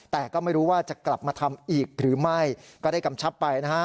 แต่ก็ไม่รู้ว่าจะกลับมาทำอีกหรือไม่ก็ได้กำชับไปนะฮะ